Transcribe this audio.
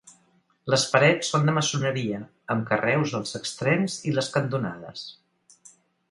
Les parets són de maçoneria, amb carreus als extrems i les cantonades.